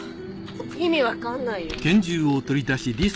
意味わかんないよ。